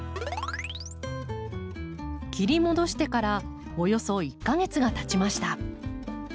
切り戻してからおよそ１か月がたちました。